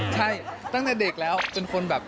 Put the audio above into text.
ใช่ตั้งแต่เด็กแล้วจนคนแบบ